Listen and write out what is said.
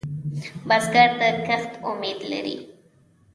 بزګر د کښت امید لري